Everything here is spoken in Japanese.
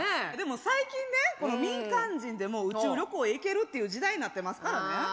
でも最近ね民間人でも宇宙旅行へ行けるっていう時代になってますからね。